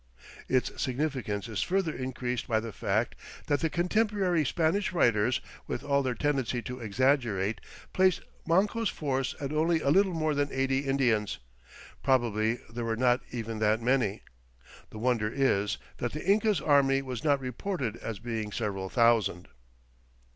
Its significance is further increased by the fact that the contemporary Spanish writers, with all their tendency to exaggerate, placed Manco's force at only "a little more than eighty Indians." Probably there were not even that many. The wonder is that the Inca's army was not reported as being several thousand.